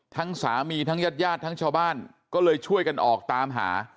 ทั้งสามีทั้งญาติญาติทั้งชาวบ้านก็เลยช่วยกันออกตามหา